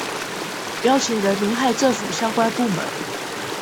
邀請人民和政府相關部門